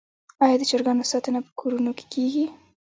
آیا د چرګانو ساتنه په کورونو کې کیږي؟